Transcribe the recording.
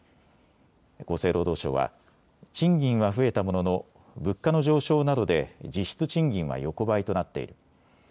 厚生労働省は賃金は増えたものの物価の上昇などで実質賃金は横ばいとなっている。